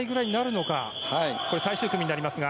次が最終組になりますが。